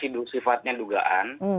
ini sifatnya dugaan